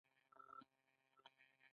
په دې کې بودیجه په پام کې نیول کیږي.